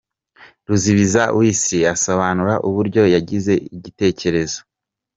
Ruzibiza Wesley asobanura uburyo yagize igitekerzo.